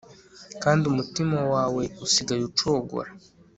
kandi umutima wawe usigaye ucogora